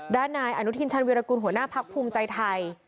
ด้านนายอนุทินชันวิรกุลหัวหน้าพักภูมิใจไทย